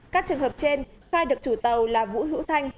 các trường hợp trên khai được chủ tàu là vũ hữu thanh